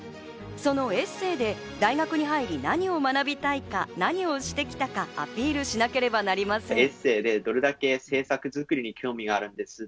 そのエッセーで大学に入り何を学びたいか、何をしてきたかアピールしなければなりません。